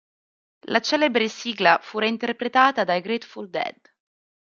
La celebre sigla fu reinterpretata dai Grateful Dead.